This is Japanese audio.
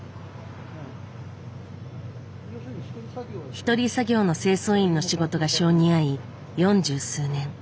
一人作業の清掃員の仕事が性に合い四十数年。